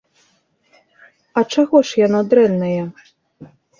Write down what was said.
А чаго ж яно дрэннае?